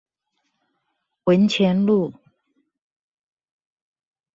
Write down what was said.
文前路